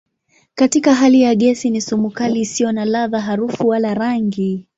Katika hali ya gesi ni sumu kali isiyo na ladha, harufu wala rangi.